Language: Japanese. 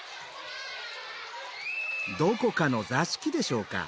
どこかの座敷でしょうか。